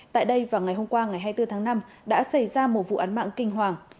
tại đây vào ngày hôm qua ngày hai mươi bốn tháng năm đã xảy ra một vụ án mạng kinh hoàng